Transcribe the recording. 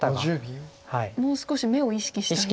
もう少し眼を意識したいんですね。